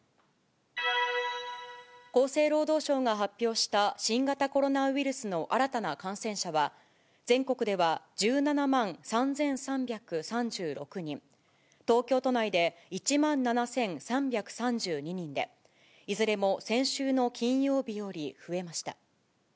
厚生労働省が発表した新型コロナウイルスの新たな感染者は、全国では１７万３３３６人、東京都内で１万７３３２人で、いずれも先週の金曜日より増えました。